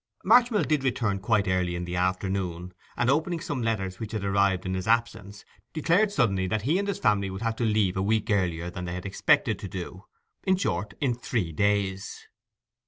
Marchmill did return quite early in the afternoon; and, opening some letters which had arrived in his absence, declared suddenly that he and his family would have to leave a week earlier than they had expected to do—in short, in three days.